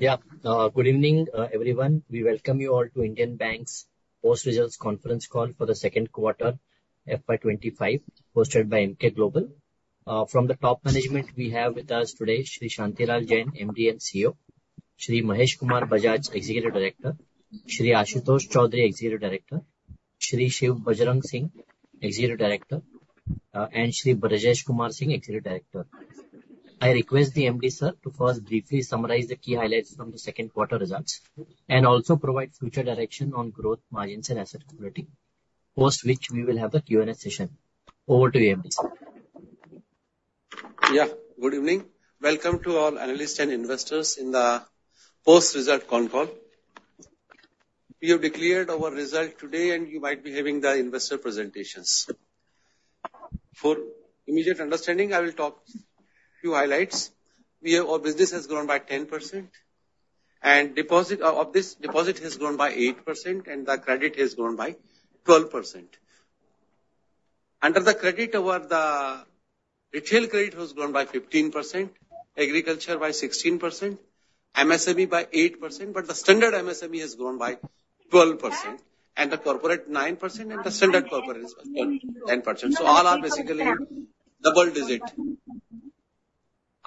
Yeah, good evening, everyone. We welcome you all to Indian Bank's Post Results Conference Call for the second quarter, FY 2025, hosted by Emkay Global. From the top management we have with us today, Shri Shanti Lal Jain, MD & CEO, Shri Mahesh Kumar Bajaj, Executive Director, Shri Ashutosh Choudhry, Executive Director, Shri Shiv Bajrang Singh, Executive Director, and Shri Brajesh Kumar Singh, Executive Director. I request the MD, sir, to first briefly summarize the key highlights from the second quarter results, and also provide future direction on growth, margins, and asset quality, post which we will have a Q&A session. Over to you, MD, sir. Yeah, good evening. Welcome to all analysts and investors in the post-result con call. We have declared our result today, and you might be having the investor presentations. For immediate understanding, I will talk few highlights. We have... Our business has grown by 10%, and deposit, of this deposit has grown by 8%, and the credit has grown by 12%. Under the credit, our, the retail credit has grown by 15%, agriculture by 16%, MSME by 8%, but the standard MSME has grown by 12%, and the corporate 9%, and the standard corporate is 10%. So all are basically double digit. All are in double digit,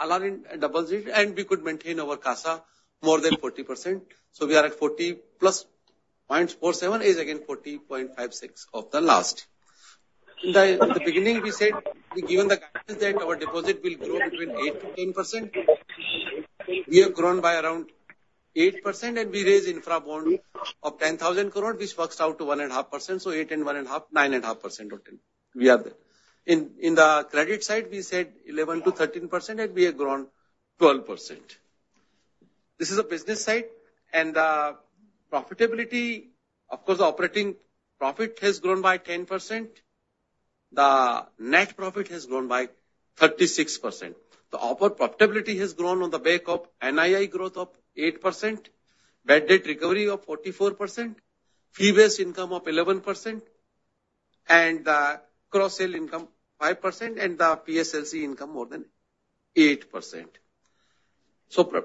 and we could maintain our CASA more than 40%. So we are at 40 plus point four seven, is again 40 point five six of the last. In the beginning, we said, given the guidance that our deposit will grow between 8%-10%, we have grown by around 8%, and we raised infra bond of 10,000 crore, which works out to 1.5%, so 8% and 1.5%, 9.5% or 10%, we have that. In the credit side, we said 11%-13%, and we have grown 12%. This is a business side, and the profitability, of course, the operating profit has grown by 10%. The net profit has grown by 36%. The operating profitability has grown on the back of NII growth of 8%, bad debt recovery of 44%, fee-based income of 11%, and the cross-sale income 5%, and the PSLC income more than 8%. So,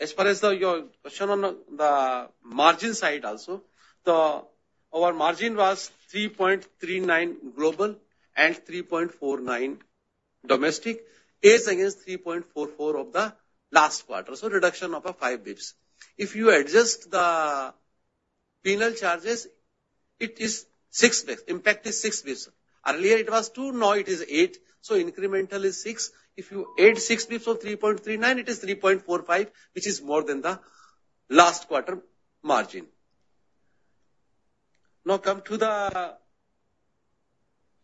as far as your question on the margin side also, our margin was three point three nine global and three point four nine domestic. It is against three point four four of the last quarter, so reduction of five basis points. If you adjust the penal charges, it is six basis points, impact is six basis points. Earlier it was two, now it is eight, so incremental is six. If you add six basis points of three point three nine, it is three point four five, which is more than the last quarter margin. Now, come to the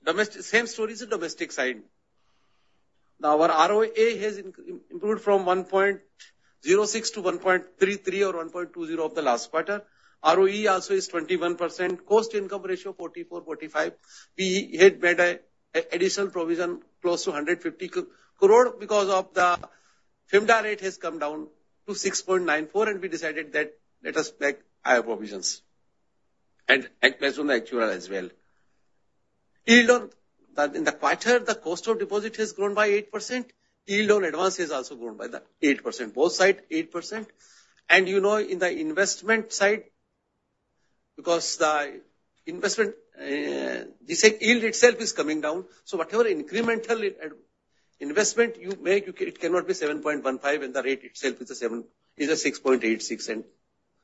domestic, same story as the domestic side. Now, our ROA has improved from one point zero six to one point three three or one point two zero of the last quarter. ROE also is 21%. Cost income ratio, 44, 45. We had made an additional provision close to 150 crore because of the FIMMDA rate has come down to 6.94, and we decided that let us make higher provisions, and based on the actual as well. Yield on. The in the quarter, the cost of deposit has grown by 8%. Yield on advance has also grown by the 8%. Both sides, 8%. And you know, in the investment side, because the investment, the said yield itself is coming down, so whatever incremental investment you make, it cannot be 7.15, and the rate itself is a 6.86, and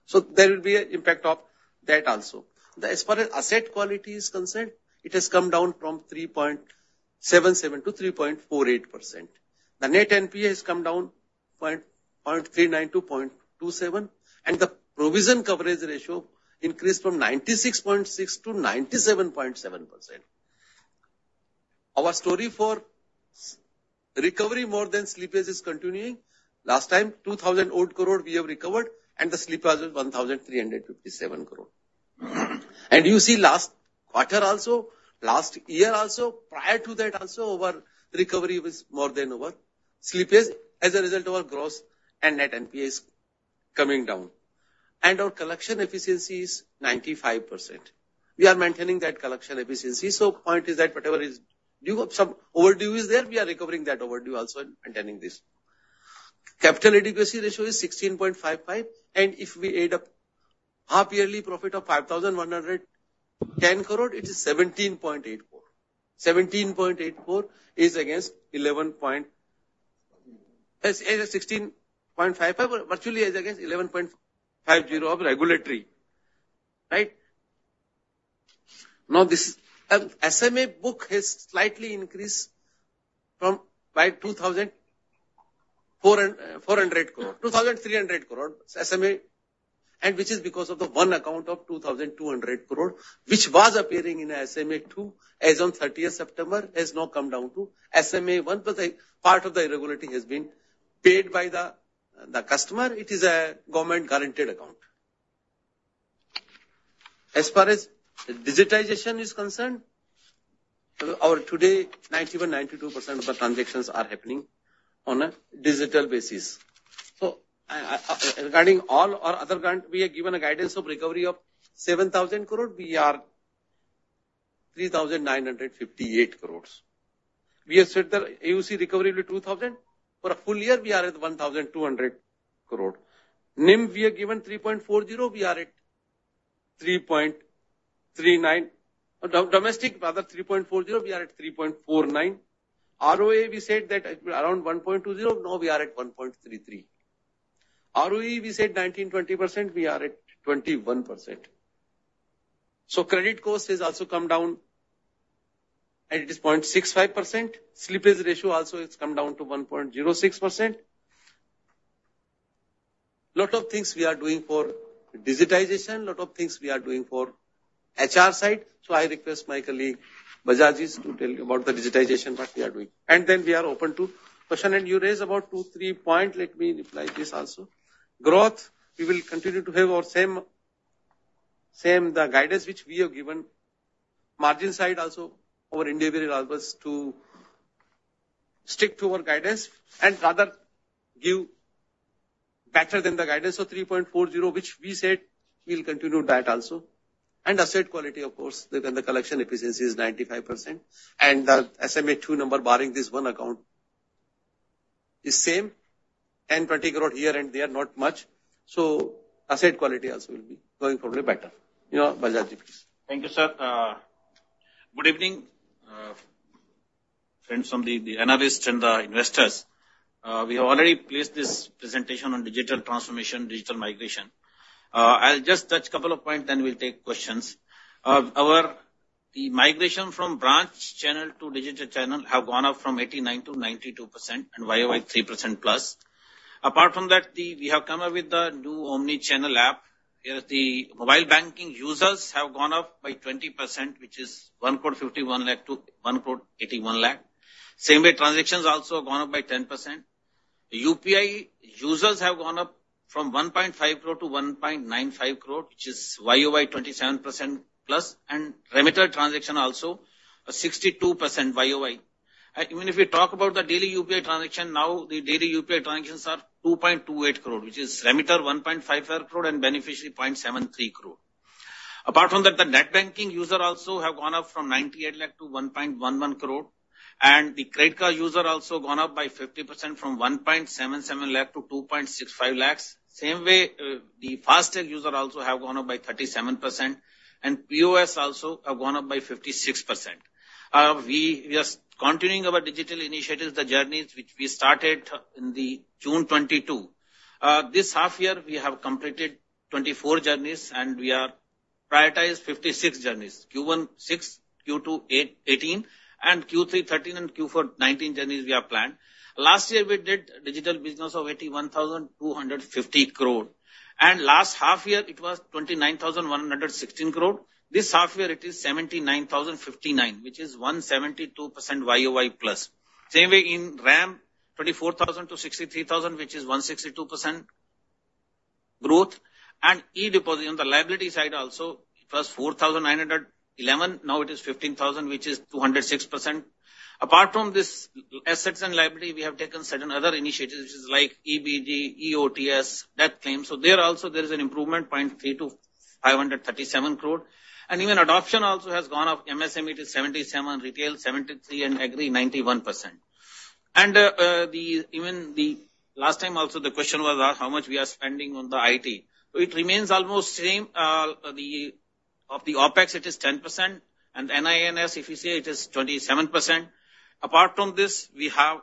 so there will be an impact of that also. As far as asset quality is concerned, it has come down from 3.77% to 3.48%. The net NPA has come down 0.39 to 0.27, and the provision coverage ratio increased from 96.6% to 97.7%. Our story for recovery more than slippage is continuing. Last time, 2,008 crore we have recovered, and the slippage was 1,357 crore, and you see last quarter also, last year also, prior to that also, our recovery was more than our slippage as a result of our gross and net NPAs coming down, and our collection efficiency is 95%. We are maintaining that collection efficiency, so point is that whatever is due, some overdue is there, we are recovering that overdue also and maintaining this. Capital Adequacy Ratio is 16.55%, and if we add up half-yearly profit of 5,110 crore, it is 17.84%. Seventeen point eight four is against eleven point- Mm-hmm. It is 16.55, but virtually is against 11.50 of regulatory, right? Now, this SMA book has slightly increased from by 2,400 crore, 2,300 crore SMA, and which is because of the one account of 2,200 crore, which was appearing in SMA two as on thirtieth September, has now come down to SMA one, but the part of the irregularity has been paid by the customer. It is a government-guaranteed account. As far as digitization is concerned, today 91-92% of the transactions are happening on a digital basis. So regarding all our other current, we have given a guidance of recovery of 7,000 crore. We are 3,958 crores. We have said that AUC recovery will be 2,000. For a full year, we are at 1,200 crore. NIM, we have given 3.40%, we are at 3.39%. Or domestic, rather, 3.40%, we are at 3.49%. ROA, we said that it will be around 1.20%, now we are at 1.33%. ROE, we said 19-20%, we are at 21%. So credit cost has also come down, and it is 0.65%. Slippage ratio also, it's come down to 1.06%. Lot of things we are doing for digitization, lot of things we are doing for HR side. So I request my colleague, Bajaj, to tell you about the digitization, what we are doing. And then we are open to question. You raised about two, three points. Let me reply to this also. Growth, we will continue to have our same, the guidance which we have given. Margin side also, our endeavor will allow us to stick to our guidance, and rather give better than the guidance of 3.40%, which we said we'll continue that also. Asset quality, of course, when the collection efficiency is 95%, and the SMA two number, barring this one account, is same, 10-20 crore here and there, not much. Asset quality also will be going probably better. You know, Bajaj, please. Thank you, sir. Good evening, friends from the analysts and the investors. We have already placed this presentation on digital transformation, digital migration. I'll just touch couple of points, then we'll take questions. Our migration from branch channel to digital channel have gone up from 89% to 92% and YOY 3% plus. Apart from that, we have come up with a new omni-channel app, where the mobile banking users have gone up by 20%, which is 1 crore 51 lakh to 1 crore 81 lakh. Same way, transactions also have gone up by 10%. UPI users have gone up from 1.5 crore to 1.95 crore, which is YOY 27% plus, and remittance transactions also, a 62% YOY. Even if we talk about the daily UPI transaction, now, the daily UPI transactions are 2.28 crore, which is remitter 1.5 crore and beneficiary 0.73 crore. Apart from that, the net banking user also have gone up from 98 lakh to 1.11 crore, and the credit card user also gone up by 50% from 1.77 lakh to 2.65 lakhs. Same way, the FASTag user also have gone up by 37%, and POS also have gone up by 56%. We are continuing our digital initiatives, the journeys which we started in June 2022. This half year, we have completed 24 journeys, and we are prioritized 56 journeys. Q1, six; Q2, eight, 18; and Q3, 13; and Q4, 19 journeys we have planned. Last year, we did digital business of 81,250 crore, and last half year it was 29,116 crore. This half year, it is 79,059 crore, which is 172% YOY plus. Same way, in RAM, 24,000-63,000 crore, which is 162% growth. And e-deposit, on the liability side also, it was 4,911 crore, now it is 15,000 crore, which is 206%. Apart from this assets and liability, we have taken certain other initiatives, which is like e-BG, e-OTS, death claims. So there also, there is an improvement, 0.3-537 crore. And even adoption also has gone up, MSME to 77%, retail 73%, and agri 91%. Even the last time also, the question was asked how much we are spending on the IT. So it remains almost same, of the OpEx, it is 10%, and NINS, if you say, it is 27%. Apart from this, we have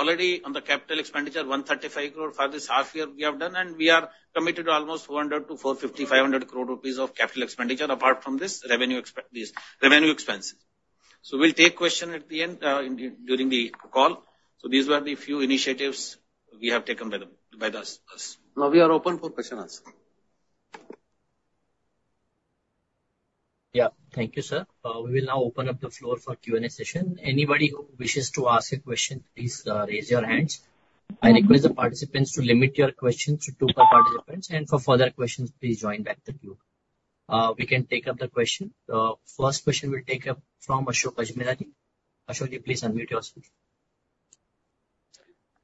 already on the capital expenditure, 135 crore for this half year we have done, and we are committed to almost 400-450, 500 crore rupees of capital expenditure apart from this revenue expenses. So we'll take question at the end, during the call. So these were the few initiatives we have taken by us. Now we are open for question and answer. Yeah. Thank you, sir. We will now open up the floor for Q&A session. Anybody who wishes to ask a question, please raise your hands. I request the participants to limit your questions to two per participant, and for further questions, please join back the queue. We can take up the question. First question we'll take up from Ashok Ajmera. Ashok, please unmute yourself.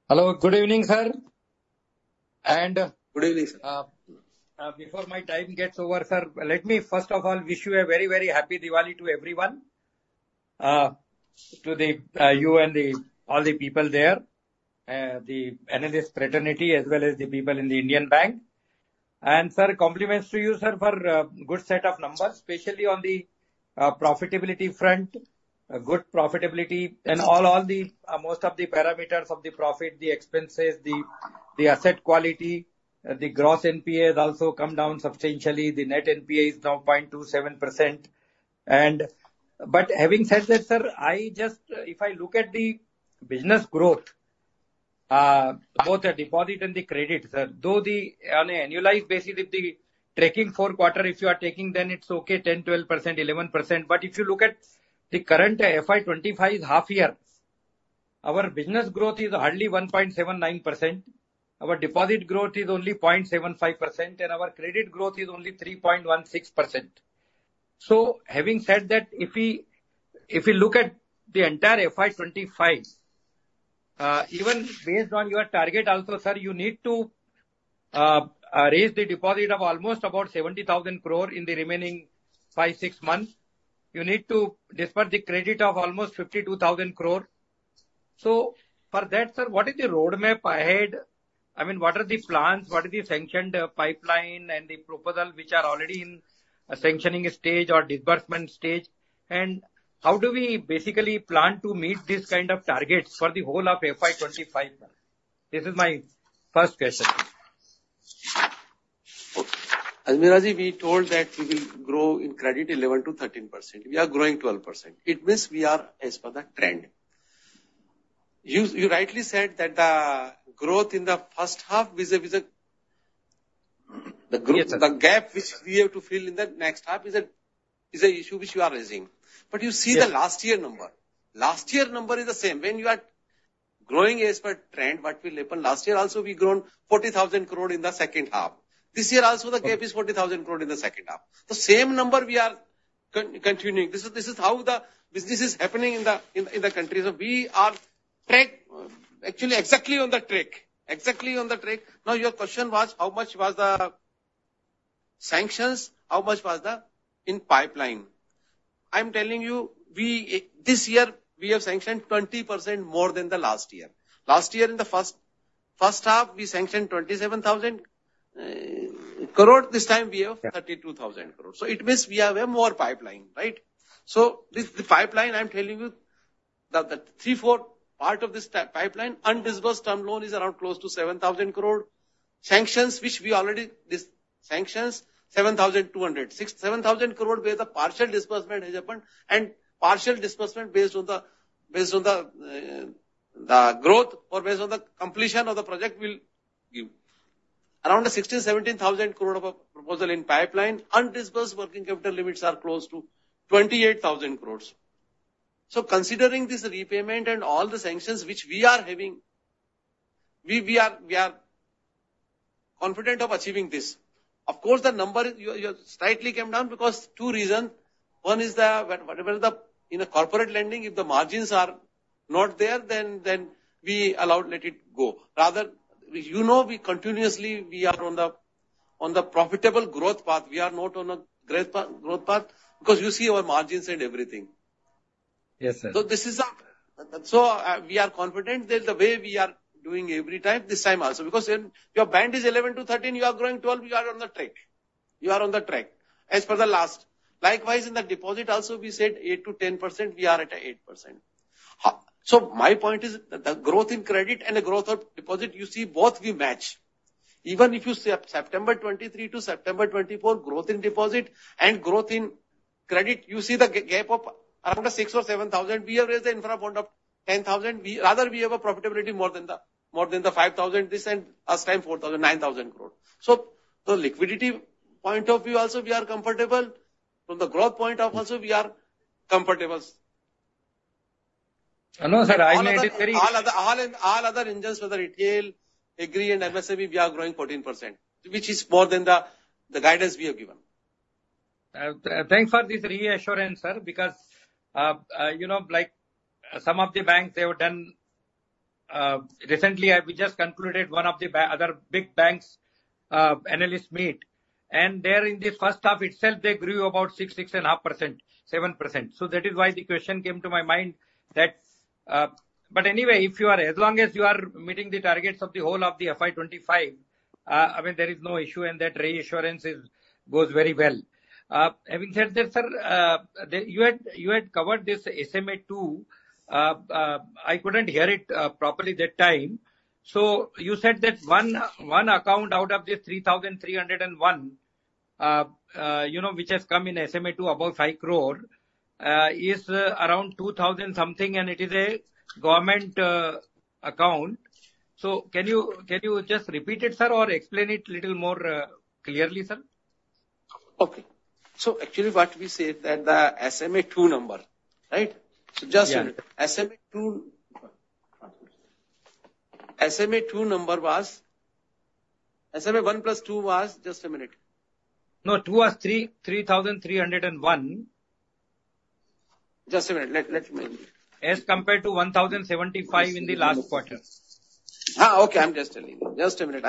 Hello, good evening, sir. And- Good evening, sir. Before my time gets over, sir, let me first of all wish you a very, very happy Diwali to everyone, to you and all the people there, the analyst fraternity, as well as the people in the Indian Bank. Sir, compliments to you, sir, for good set of numbers, especially on the profitability front, a good profitability and all, all the most of the parameters of the profit, the expenses, the asset quality, the gross NPAs also come down substantially. The net NPA is now 0.27%. But having said that, sir, I just, if I look at the business growth, both the deposit and the credit, sir, though the, on an annualized basis, if the trailing four quarter, if you are taking, then it's okay, 10, 12%, 11%. But if you look at the current FY 2025's half year, our business growth is hardly 1.79%, our deposit growth is only 0.75%, and our credit growth is only 3.16%. So having said that, if we look at the entire FY 2025, even based on your target also, sir, you need to raise the deposit of almost about 70,000 crore in the remaining five, six months. You need to disburse the credit of almost 52,000 crore. So for that, sir, what is the roadmap ahead? I mean, what are the plans? What are the sanctioned pipeline and the proposal which are already in a sanctioning stage or disbursement stage? And how do we basically plan to meet this kind of targets for the whole of FY 2025, sir? This is my first question. Ajmera, we told that we will grow in credit 11%-13%. We are growing 12%. It means we are as per the trend. You rightly said that the growth in the first half is a, is a- Yes, sir. The gap which we have to fill in the next half is an issue which you are raising. Yes. But you see the last year number. Last year number is the same. When you are growing as per trend, what will happen? Last year also, we grown 40,000 crore in the second half. This year also, the gap is 40,000 crore in the second half. The same number we are continuing. This is how the business is happening in the country. So we are track, actually, exactly on the track. Exactly on the track. Now, your question was how much was the sanctions, how much was the in pipeline? I'm telling you, this year, we have sanctioned 20% more than the last year. Last year, in the first half, we sanctioned 27,000 crore. This time we have 32,000 crore. So it means we have a more pipeline, right? This, the pipeline, I'm telling you, that the three-four part of this pipeline, undisbursed term loan is around close to seven thousand crore. Sanctions which we already, this sanctions, seven thousand two hundred. Six-seven thousand crore, where the partial disbursement has happened, and partial disbursement based on the, the growth or based on the completion of the project we'll give. Around the sixteen, seventeen thousand crore of a proposal in pipeline, undisbursed working capital limits are close to twenty-eight thousand crores. Considering this repayment and all the sanctions which we are having, we are confident of achieving this. Of course, the number is slightly came down because two reasons. One is the, when, whenever the, in a corporate lending, if the margins are not there, then we allow let it go. Rather, you know, we are continuously on the profitable growth path. We are not on a great growth path, because you see our margins and everything. Yes, sir. We are confident that the way we are doing every time, this time also, because when your band is 11-13, you are growing 12, you are on the track. You are on the track. As for the last. Likewise, in the deposit also, we said 8-10%, we are at 8%. So my point is, the growth in credit and the growth of deposit, you see, both we match. Even if you see September 2023 to September 2024, growth in deposit and growth in credit, you see the gap of around the 6 or 7 thousand. We have raised the infra fund of 10 thousand. Rather, we have a profitability more than the 5 thousand this, and last time, 4,900 crore. So from liquidity point of view also, we are comfortable. From the growth point of view also, we are comfortable. I know, sir, I made it very- All other engines, whether retail, agri, and MSME, we are growing 14%, which is more than the guidance we have given. Thanks for this reassurance, sir, because, you know, like some of the banks, they have done. Recently, we just concluded one of the other big banks, analyst meet, and there in the first half itself, they grew about 6, 6.5%, 7%. So that is why the question came to my mind that. But anyway, if you are, as long as you are meeting the targets of the whole of the FY 2025, I mean, there is no issue, and that reassurance goes very well. Having said that, sir, you had, you had covered this SMA-2. I couldn't hear it properly that time. So you said that one account out of the three thousand three hundred and one, you know, which has come in SMA-2, above five crore, is around two thousand something, and it is a government account. So can you just repeat it, sir, or explain it a little more clearly, sir? Okay. So actually, what we said that the SMA-2 number, right? Yeah. Just SMA-2, SMA-2 number was. SMA-1 plus 2 was, just a minute. No, two was three, three thousand three hundred and one. Just a minute. Let me- As compared to 1,075 in the last quarter. I'm just telling you. Just a minute.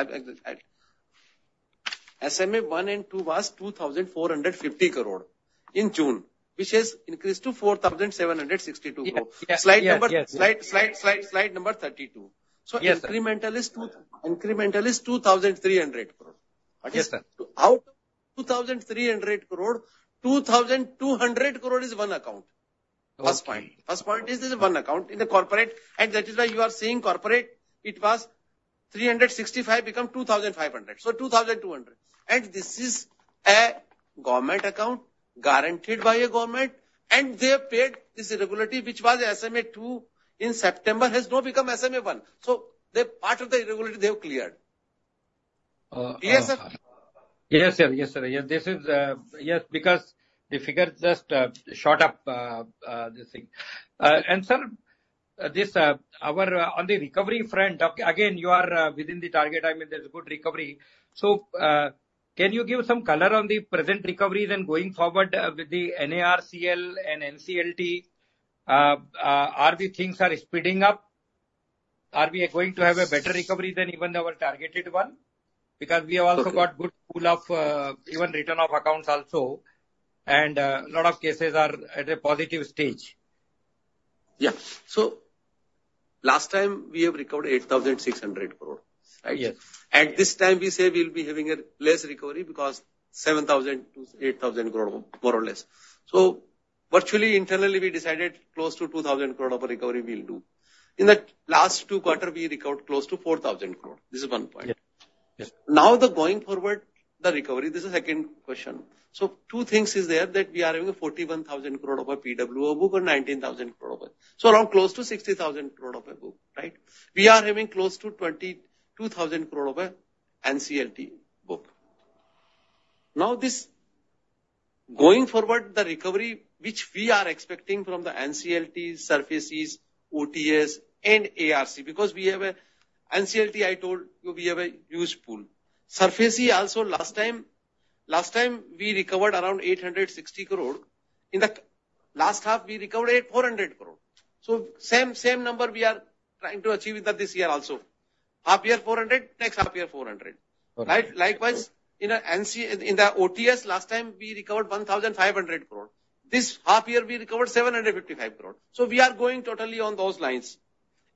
SMA one and two was 2,450 crore in June, which has increased to 4,762 crore. Yes. Slide number- Yes. Slide number thirty-two. Yes, sir. Incremental is 2,300 crore. Yes, sir. Out of 2,300 crore, 2,200 crore is one account. Okay. First point is, this is one account in the corporate, and that is why you are seeing corporate. It was 365, [has] become 2,500, so 2,200. And this is a government account, guaranteed by a government, and they have paid this irregularity, which was SMA-two in September, has now become SMA-one. So the part of the irregularity, they have cleared. Yes, sir? Yes, sir. Yes, sir. Yes, this is yes, because the figure just shot up this thing. And sir, this our on the recovery front, again, you are within the target. I mean, there's good recovery. So, can you give some color on the present recoveries and going forward with the NARCL and NCLT, are the things are speeding up? Are we going to have a better recovery than even our targeted one? Because we have also got good pool of even return of accounts also, and a lot of cases are at a positive stage. Yeah, so last time we have recovered eight thousand six hundred crore, right? Yes. At this time, we say we'll be having a less recovery because 7,000-8,000 crore, more or less. So virtually, internally, we decided close to 2,000 crore of recovery we'll do. In the last two quarters, we recovered close to 4,000 crore. This is one point. Yes. Yes. Now, going forward, the recovery, this is second question. So two things is there, that we are having 41,000 crore of a PWO book or 19,000 crore of it. So around close to 60,000 crore of a book, right? We are having close to 22,000 crore of a NCLT book. Now, this going forward, the recovery which we are expecting from the NCLT, SARFAESI, OTS, and ARC, because we have a NCLT, I told you, we have a huge pool. SARFAESI also, last time, last time we recovered around 860 crore. In the last half, we recovered 400 crore. So same, same number we are trying to achieve with that this year also. Half year, 400, next half year, 400. Okay. Right? Likewise, in a NC- in the OTS, last time we recovered 1,500 crore. This half year we recovered 755 crore. So we are going totally on those lines.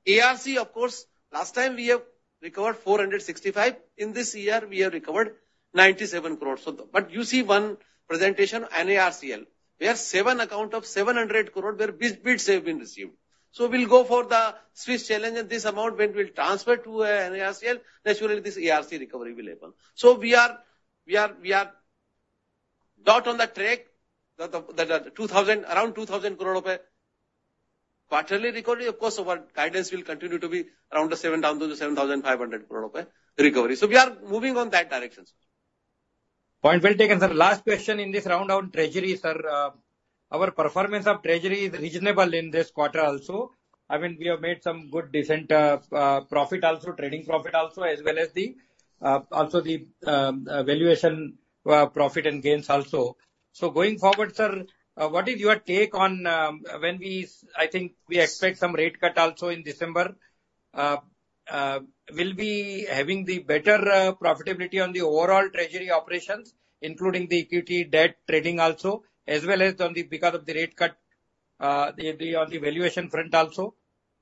ARC, of course, last time we have recovered 465. In this year, we have recovered 97 crores. So but you see one presentation, NARCL, we have seven accounts of 700 crore, where bids have been received. So we'll go for the Swiss challenge, and this amount when we'll transfer to NARCL, naturally, this ARC recovery will happen. So we are not on the track, the two thousand, around 2,000 crore of a quarterly recovery. Of course, our guidance will continue to be around the seven thousand to the seven thousand five hundred crore of a recovery. We are moving on that direction. Point well taken, sir. Last question in this round on treasury, sir. Our performance of treasury is reasonable in this quarter also. I mean, we have made some good, decent, profit also, trading profit also, as well as the, also the, valuation, profit and gains also. So going forward, sir, what is your take on, I think we expect some rate cut also in December. We'll be having the better, profitability on the overall treasury operations, including the equity debt trading also, as well as on the, because of the rate cut, the, on the valuation front also.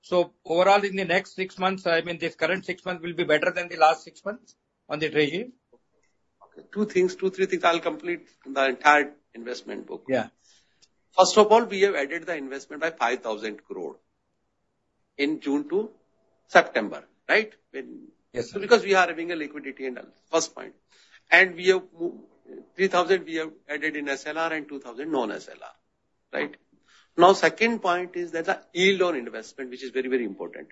So overall, in the next six months, I mean, this current six months will be better than the last six months on the treasury? Okay, two things, two, three things I'll complete in the entire investment book. Yeah. First of all, we have added the investment by 5,000 crore in June to September, right? Yes, sir. Because we are having a liquidity analysis, first point. And we have three thousand we have added in SLR and two thousand non-SLR, right? Now, second point is that the yield on investment, which is very, very important.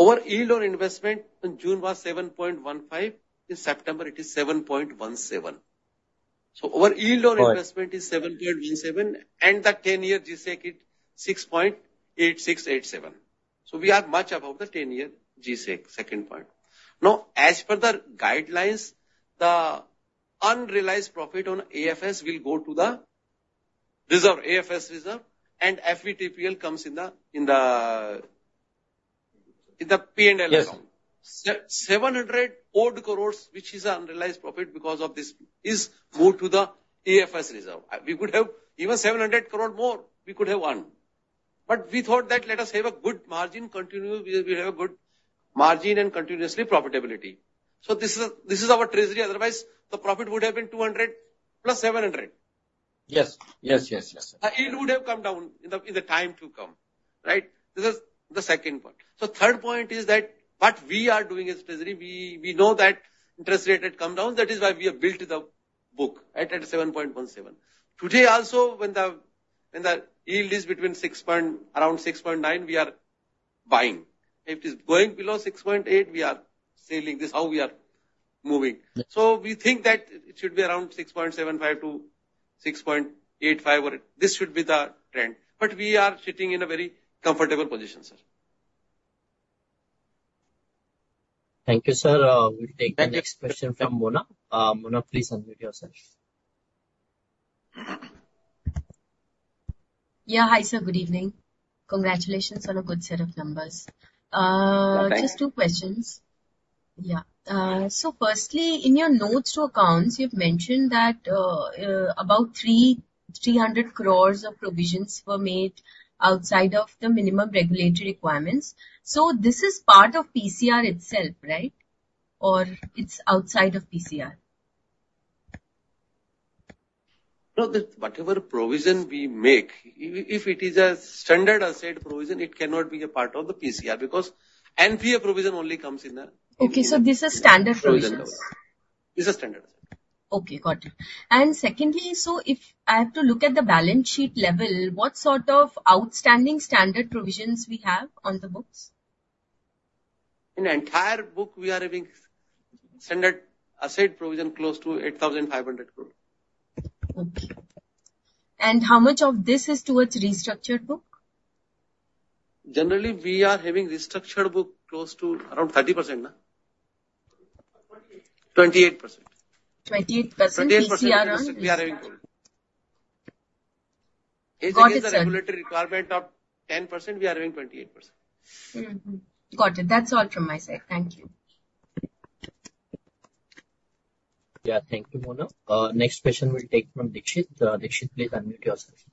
Our yield on investment in June was 7.15, in September it is 7.17. So our yield on- Right Investment is seven point one seven, and the ten-year G-Sec is six point eight six, eight seven. So we are much above the ten-year G-Sec, second point. Now, as per the guidelines, the unrealized profit on AFS will go to the reserve, AFS reserve, and FVTPL comes in the P&L account. Yes. 700-odd crore, which is an unrealized profit because of this, is gone to the AFS reserve. We could have even 700 crore more, we could have one. But we thought that let us have a good margin continue, we have a good margin and continuous profitability. So this is our treasury. Otherwise, the profit would have been 200 plus 700. Yes. Yes, yes, yes. It would have come down in the time to come, right? This is the second point. The third point is that what we are doing as treasury, we know that interest rate had come down, that is why we have built the book at 7.17%. Today also, when the yield is around 6.9%, we are buying. If it is going below 6.8%, we are selling. This is how we are moving. Yeah. So we think that it should be around 6.75-6.85, or this should be the trend, but we are sitting in a very comfortable position, sir. Thank you, sir. We'll take the next question from Mona. Mona, please unmute yourself. Yeah, hi, sir, good evening. Congratulations on a good set of numbers. Welcome. Just two questions. Yeah. So firstly, in your notes to accounts, you've mentioned that about 300 crores of provisions were made outside of the minimum regulatory requirements. So this is part of PCR itself, right? Or it's outside of PCR? No, the whatever provision we make, if it is a standard asset provision, it cannot be a part of the PCR, because NPA provision only comes in the- Okay, so this is standard provisions? This is standard. Okay, got it. And secondly, so if I have to look at the balance sheet level, what sort of outstanding standard provisions we have on the books? In the entire book, we are having standard asset provision close to 8,500 crore. Okay. And how much of this is towards restructured book?... generally, we are having restructured book close to around 30%, na? Twenty-eight. Twenty-eight percent. Twenty-eight percent- 28%, basically we are having. Got it, sir. The regulatory requirement of 10%, we are having 28%. Mm-hmm. Got it. That's all from my side. Thank you. Yeah, thank you, Mona. Next question we'll take from Dixit. Dixit, please unmute yourself.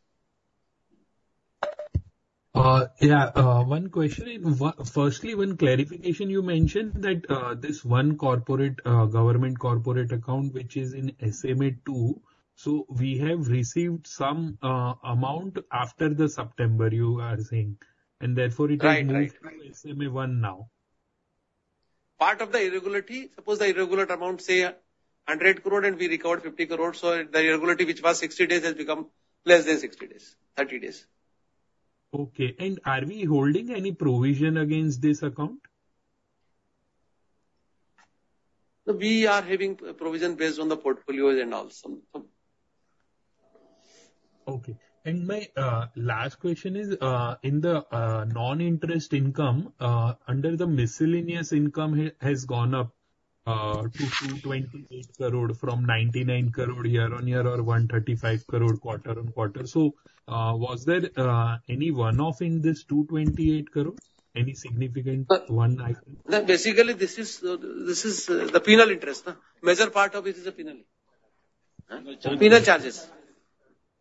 Yeah, one question. Firstly, one clarification, you mentioned that this one corporate government corporate account, which is in SMA two, so we have received some amount after the September, you are saying, and therefore it has- Right, right. Moved to SMA one now. Part of the irregularity, suppose the irregular amount, say 100 crore and we recovered 50 crore, so the irregularity which was 60 days has become less than 60 days, 30 days. Okay. And are we holding any provision against this account? We are having provision based on the portfolio and all, so. Okay. And my last question is, in the non-interest income, under the miscellaneous income has gone up to INR 228 crore from 99 crore year on year or 135 crore quarter on quarter. So, was there any one-off in this 228 crore? Any significant one item? No, basically, this is the penal interest, na? Major part of it is the penalty. Penal charges.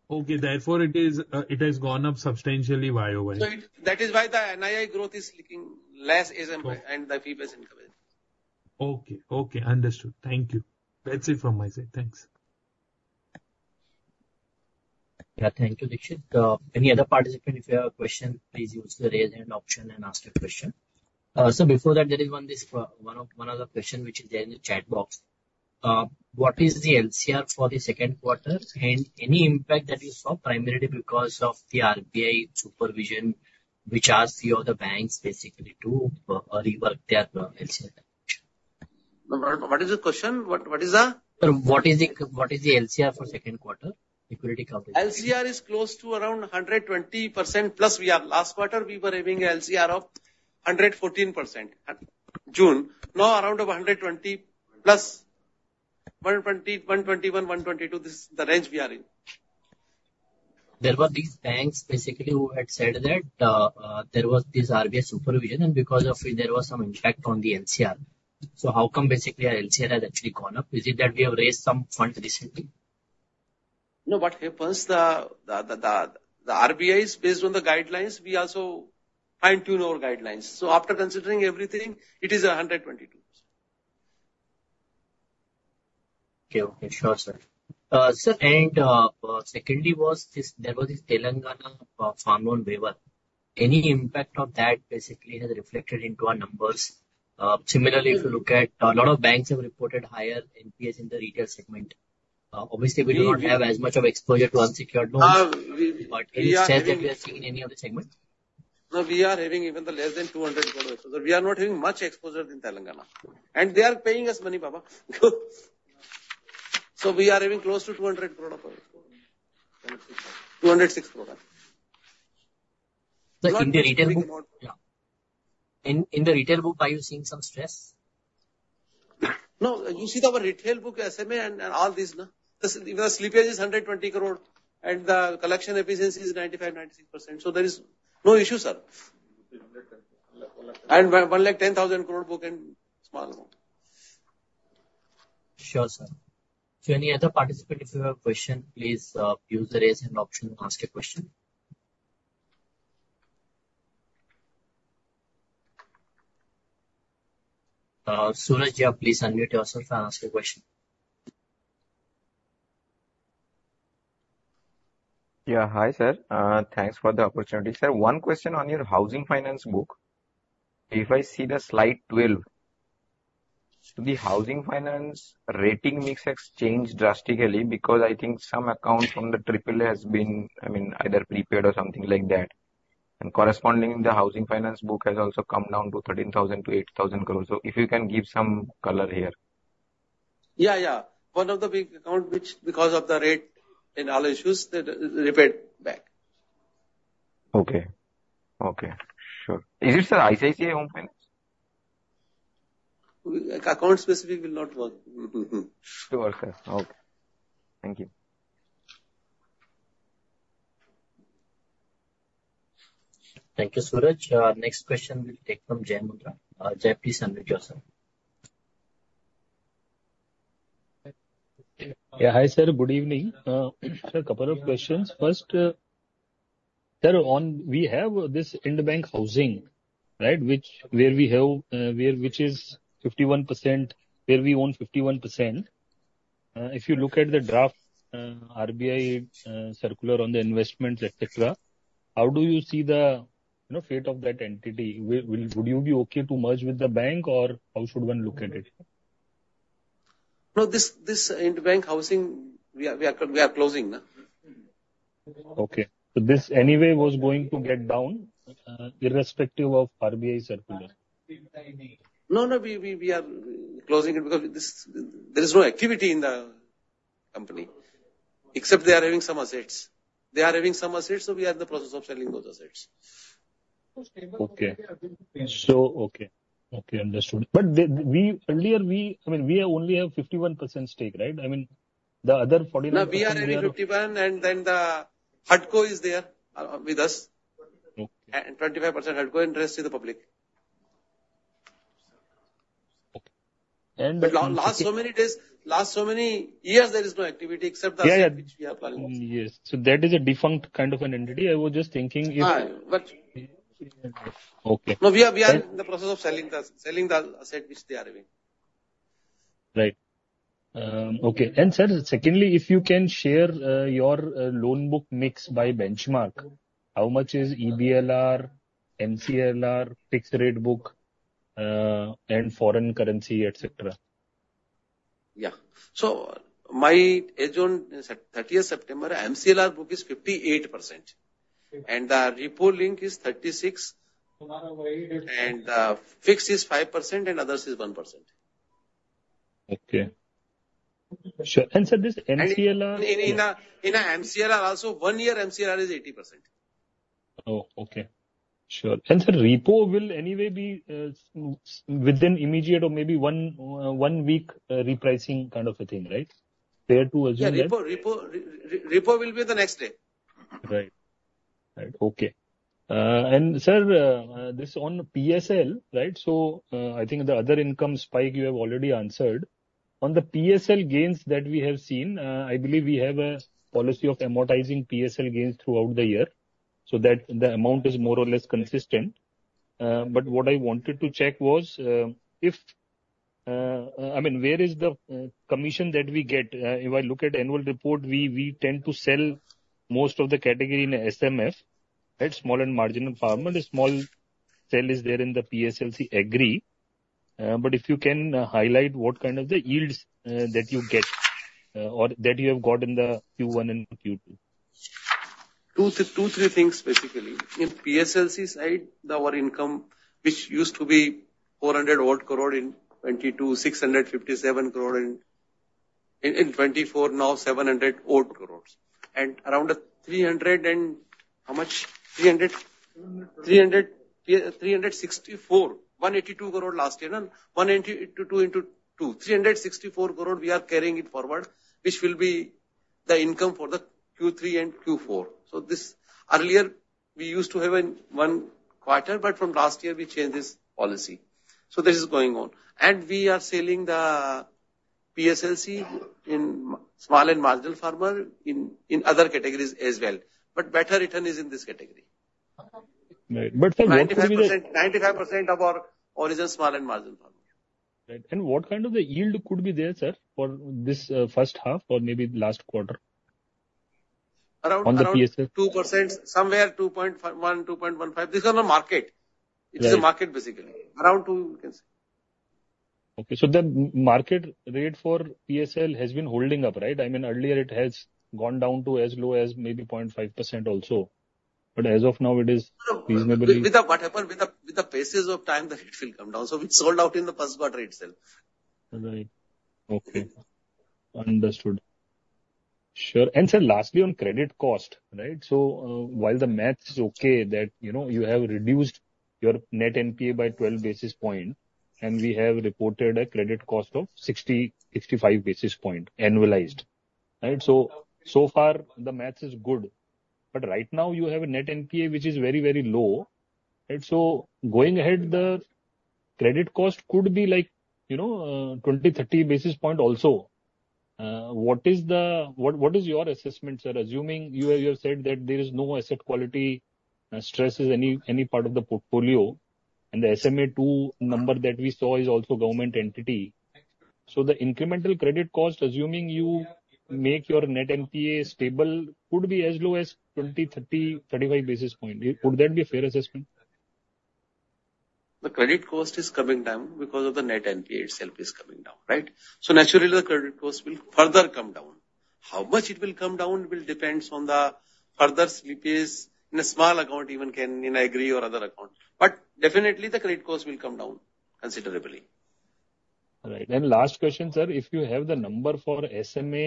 Okay. Therefore, it has gone up substantially Y over Y. That is why the NII growth is looking less SMA and the fee-based income. Okay, okay, understood. Thank you. That's it from my side. Thanks. Yeah. Thank you, Dixit. Any other participant, if you have a question, please use the raise hand option and ask the question. So before that, there is one other question which is there in the chat box. What is the LCR for the second quarter? And any impact that you saw primarily because of the RBI supervision, which asked few of the banks basically to rework their LCR? No, what is the question? What is the? Sir, what is the LCR for second quarter? Liquidity coverage. LCR is close to around 120%, plus we are... Last quarter, we were having a LCR of 114%, at June. Now, around of 120 plus, 120, 121, 122, this is the range we are in. There were these banks, basically, who had said that there was this RBI supervision, and because of it, there was some impact on the LCR. So how come basically our LCR has actually gone up? Is it that we have raised some funds recently? No, what happens, the RBI is based on the guidelines, we also fine-tune our guidelines. So after considering everything, it is a hundred twenty-two. Okay, okay. Sure, sir. Sir, and secondly was this, there was this Telangana farm loan waiver. Any impact of that basically has reflected into our numbers? Similarly, if you look at a lot of banks have reported higher NPAs in the retail segment. Obviously, we do not have as much of exposure to unsecured loans. We are- But any chance that we have seen in any other segment? No, we are having even less than 200 crore exposure. We are not having much exposure in Telangana, and they are paying us money, Bava. So we are having close to 200 crore exposure. 206 crore. Sir, in the retail book- Yeah. In the retail book, are you seeing some stress? No, you see our retail book, SMA and all this, na, the slippage is 120 crore, and the collection efficiency is 95%-96%, so there is no issue, sir. One lakh, one lakh. One lakh, 10 thousand crore book and small amount. Sure, sir. So any other participant, if you have a question, please, use the raise hand option to ask a question. Suraj, yeah, please unmute yourself and ask your question. Yeah, hi, sir. Thanks for the opportunity. Sir, one question on your housing finance book. If I see the slide 12, the housing finance rating mix has changed drastically because I think some accounts from the triple A has been, I mean, either prepaid or something like that. And corresponding, the housing finance book has also come down to 13,000-8,000 crore. So if you can give some color here. Yeah, yeah. One of the big account, which because of the rate and all issues, they repaid back. Okay. Okay, sure. Is it, sir, ICICI Home Finance? Account specific will not work. Sure, sir. Okay. Thank you. Thank you, Suraj. Next question we'll take from Jai Mundra. Jai, please unmute yourself. Yeah, hi, sir. Good evening. Sir, a couple of questions. First, sir, on... We have this Ind Bank Housing, right? Which, where we own 51%. If you look at the draft RBI circular on the investments, et cetera, how do you see the, you know, fate of that entity? Would you be okay to merge with the bank or how should one look at it? No, this Ind Bank Housing, we are closing, na. Okay. So this anyway was going to get down, irrespective of RBI circular? No, we are closing it because there is no activity in the company, except they are having some assets. So we are in the process of selling those assets. Okay, understood. But earlier, I mean, we only have 51% stake, right? I mean, the other 49- No, we are having 51, and then the HUDCO is there, with us. Okay. 25% HUDCO and rest is the public. Okay. And- But last so many days, last so many years, there is no activity except the- Yeah, yeah. Which we have planned. Yes. So that is a defunct kind of an entity. I was just thinking if- Uh, but- Okay. No, we are in the process of selling the asset which they are having. Right. Okay. And sir, secondly, if you can share your loan book mix by benchmark, how much is EBLR, MCLR, fixed rate book, and foreign currency, et cetera? Yeah. So NIM as on September thirtieth, MCLR book is 58%. Okay. The repo-linked is 36, and fixed is 5%, and others is 1%. Okay. Sure. And, sir, this MCLR- In a MCLR also, one year MCLR is 80%. Oh, okay. Sure. And sir, repo will anyway be within immediate or maybe one week repricing kind of a thing, right? Fair to assume that? Yeah, repo, reverse repo will be the next day. Right. Right. Okay. And sir, this on PSL, right? So, I think the other income spike you have already answered. On the PSL gains that we have seen, I believe we have a policy of amortizing PSL gains throughout the year, so that the amount is more or less consistent. But what I wanted to check was, if... I mean, where is the commission that we get? If I look at annual report, we tend to sell most of the category in SMF, right? Small and marginal farmer. The small scale is there in the PSLC category, but if you can highlight what kind of the yields that you get or that you have got in the Q1 and Q2. Two, three things specifically. In PSLC side, our income, which used to be 400-odd crore in 2022, 657 crore in 2024, now 700-odd crores. And around a 300 and how much? 300- Three hundred. 300, yeah, 364. INR 182 crore last year, no? 182 into two. INR 364 crore, we are carrying it forward, which will be the income for the Q3 and Q4. This, earlier, we used to have in one quarter, but from last year we changed this policy. This is going on. We are selling the PSLC in MSME, small and marginal farmers in other categories as well. Better return is in this category. Right. But sir, what kind of- 95%, 95% of our origination small and marginal farmers. Right. And what kind of a yield could be there, sir, for this, first half or maybe last quarter? Around- On the PSL.... 2%, somewhere 2.51, 2.15. These are no market. Right. It's a market, basically. Around two, you can say. Okay. So the market rate for PSL has been holding up, right? I mean, earlier it has gone down to as low as maybe 0.5% also, but as of now, it is reasonably- With the passage of time, the rate will come down. So we sold out in the first quarter itself. Right. Okay. Understood. Sure. And sir, lastly, on credit cost, right? So, while the math is okay, that, you know, you have reduced your net NPA by 12 basis point, and we have reported a credit cost of 60-65 basis point, annualized. Right? So, so far, the math is good. But right now, you have a net NPA, which is very, very low. And so going ahead, the credit cost could be like, you know, 20-30 basis point also. What is the... What is your assessment, sir? Assuming you have said that there is no asset quality stresses any part of the portfolio, and the SMA-2 number that we saw is also government entity. So the incremental credit cost, assuming you make your net NPA stable, could be as low as 20, 30, 35 basis point. Would that be a fair assessment? The credit cost is coming down because the net NPA itself is coming down, right? So naturally, the credit cost will further come down. How much it will come down will depend on the further slippages in a small account, even in agri or other account. But definitely, the credit cost will come down considerably. Right. Then last question, sir: If you have the number for SMA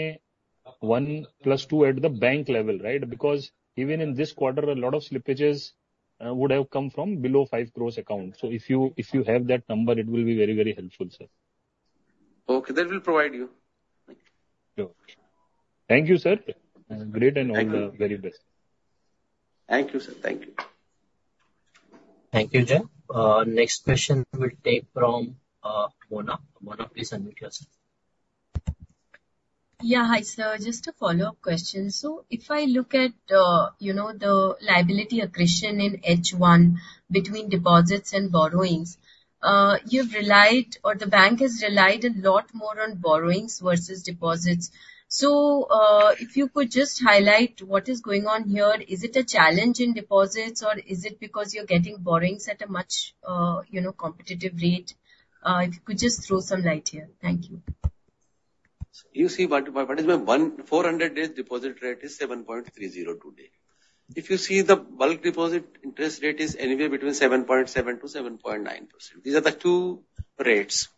one plus two at the bank level, right? Because even in this quarter, a lot of slippages would have come from below five crores account. So if you have that number, it will be very, very helpful, sir. Okay, that we'll provide you. Sure. Thank you, sir. Thank you. Great and all, very best. Thank you, sir. Thank you. Thank you, Jai. Next question we'll take from Mona. Mona, please unmute yourself. Yeah, hi, sir. Just a follow-up question. So if I look at, you know, the liability accretion in H one between deposits and borrowings, you've relied or the bank has relied a lot more on borrowings versus deposits. So, if you could just highlight what is going on here. Is it a challenge in deposits, or is it because you're getting borrowings at a much, you know, competitive rate? If you could just throw some light here. Thank you. You see, what is my 400 days deposit rate is 7.30% today. If you see the bulk deposit interest rate is anywhere between 7.7% to 7.9%. These are the two rates.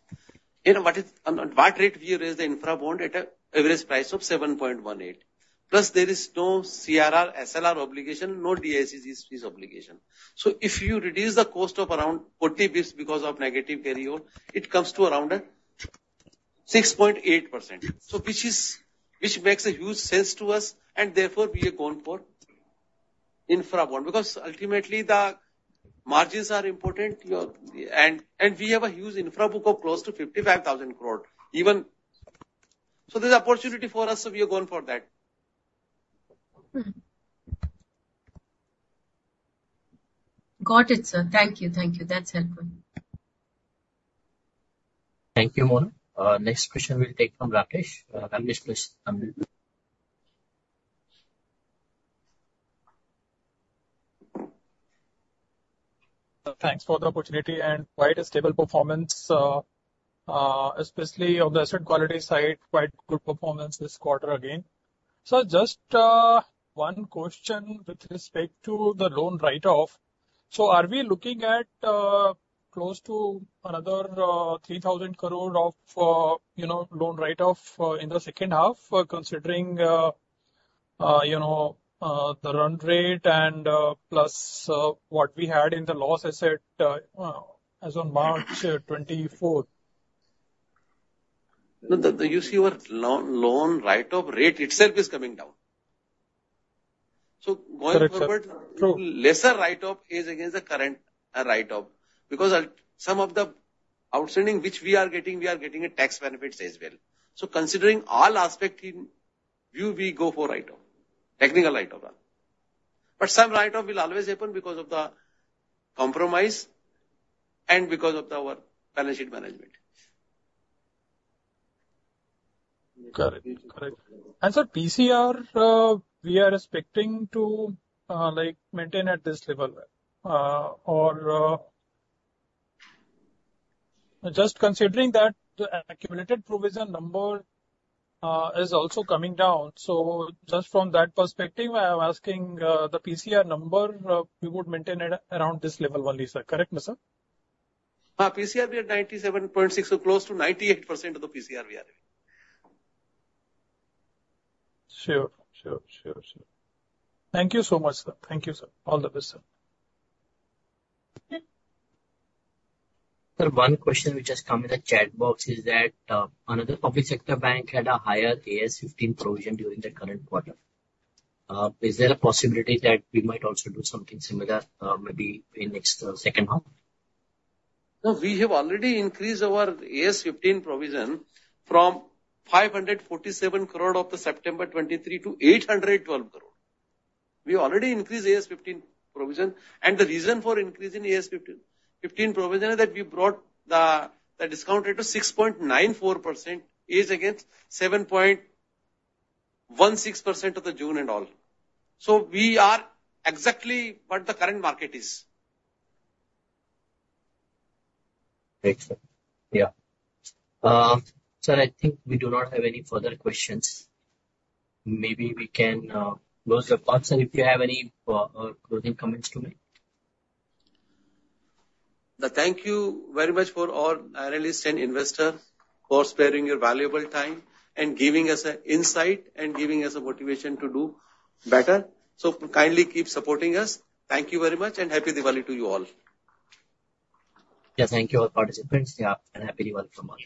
You know, on what rate we raise the infra bond at an average price of 7.18%. Plus, there is no CRR, SLR obligation, no DICGC obligation. So if you reduce the cost of around 40 basis points because of negative carryover, it comes to around 6.8%. So which makes a huge sense to us, and therefore, we have gone for infra bond. Because ultimately, the margins are important, your and we have a huge infra book of close to 55,000 crore even. So there's opportunity for us, so we are going for that. Got it, sir. Thank you, thank you. That's helpful. Thank you, Mona. Next question we'll take from Ramesh please. Thanks for the opportunity, and quite a stable performance, especially on the asset quality side, quite good performance this quarter again. So just, one question with respect to the loan write-off. So are we looking at, close to another, 3,000 crore of, you know, loan write-off, in the second half, considering, you know, the run rate and, plus, what we had in the legacy assets, as on March twenty-fourth? No, you see our loan write-off rate itself is coming down. So going forward- Correct, true. Lesser write-off is against the current write-off because some of the outstanding which we are getting, we are getting a tax benefits as well. So considering all aspect in view, we go for write-off, technical write-off. But some write-off will always happen because of the compromise and because of our balance sheet management. Correct. Correct. And so PCR, we are expecting to, like, maintain at this level, or... Just considering that the accumulated provision number, is also coming down, so just from that perspective, I am asking, the PCR number, we would maintain it around this level only, sir. Correct me, sir? PCR, we are 97.6%, so close to 98% of the PCR we are. Sure, sure, sure, sure. Thank you so much, sir. Thank you, sir. All the best, sir. Sir, one question which has come in the chat box is that, another public sector bank had a higher AS 15 provision during the current quarter. Is there a possibility that we might also do something similar, maybe in next second half? No, we have already increased our AS 15 provision from 547 crore of the September 2023 to 812 crore. We already increased AS 15 provision, and the reason for increasing AS 15 provision is that we brought the discount rate to 6.94% against 7.16% of the June and all. So we are exactly what the current market is. Thanks, sir. Yeah. Sir, I think we do not have any further questions. Maybe we can close the call, sir, if you have any closing comments to make. Thank you very much for all analysts and investors for sparing your valuable time and giving us an insight and giving us the motivation to do better. So kindly keep supporting us. Thank you very much, and happy Diwali to you all. Yeah, thank you all participants, yeah, and happy Diwali from all.